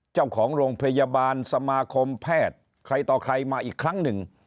เจ้าของโรงพยาบาลสมาคมแพทย์ใครต่อใครมาอีกครั้งหนึ่ง